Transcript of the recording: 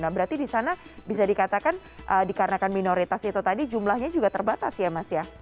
nah berarti di sana bisa dikatakan dikarenakan minoritas itu tadi jumlahnya juga terbatas ya mas ya